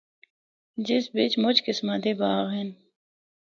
جس بچ مُچ قسماں دے باغ ہن۔